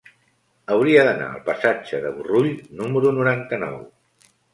Hauria d'anar al passatge de Burrull número noranta-nou.